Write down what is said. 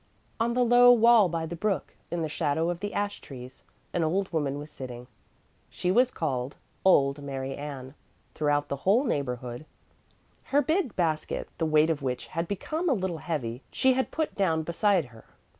On the low wall by the brook, in the shadow of the ash trees, an old woman was sitting. She was called "Old Mary Ann" throughout the whole neighborhood. Her big basket, the weight of which had become a little heavy, she had put down beside her.